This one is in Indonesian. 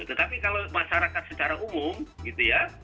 tetapi kalau masyarakat secara umum gitu ya